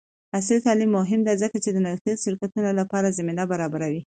عصري تعلیم مهم دی ځکه چې د نوښتي شرکتونو لپاره زمینه برابروي.